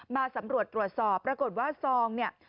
มาสำรวจตรวจสอบปรากฏว่าซองเนี่ย